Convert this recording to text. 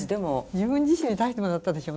自分自身に対してもだったでしょうね。